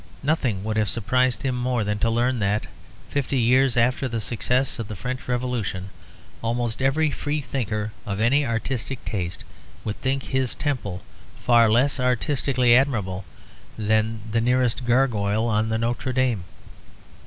Nothing would have surprised him more than to learn that, fifty years after the success of the French Revolution, almost every freethinker of any artistic taste would think his temple far less artistically admirable than the nearest gargoyle on Notre Dame.